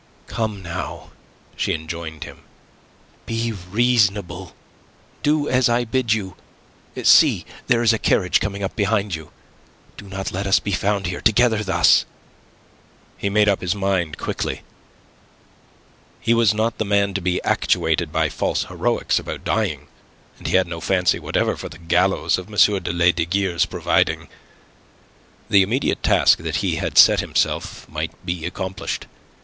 "Come, now," she enjoined him. "Be reasonable. Do as I bid you. See, there is a carriage coming up behind you. Do not let us be found here together thus." He made up his mind quickly. He was not the man to be actuated by false heroics about dying, and he had no fancy whatever for the gallows of M. de Lesdiguieres' providing. The immediate task that he had set himself might be accomplished.